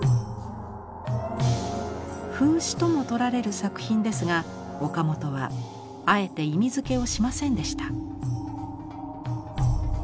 風刺とも取られる作品ですが岡本はあえて意味付けをしませんでした。